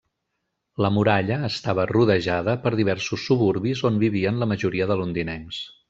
La muralla estava rodejada per diversos suburbis on vivien la majoria de londinencs.